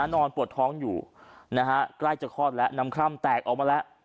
นอนปวดท้องอยู่นะฮะใกล้จะคลอดแล้วน้ำคร่ำแตกออกมาแล้ว